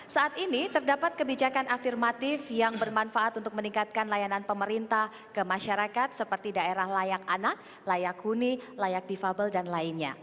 saat ini terdapat kebijakan afirmatif yang bermanfaat untuk meningkatkan layanan pemerintah ke masyarakat seperti daerah layak anak layak huni layak difabel dan lainnya